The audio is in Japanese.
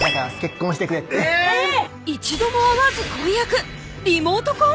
一度も会わず婚約リモート婚⁉